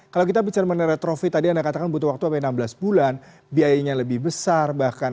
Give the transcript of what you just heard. kalau kita bicara mengenai retrofi tadi anda katakan butuh waktu sampai enam belas bulan biayanya lebih besar bahkan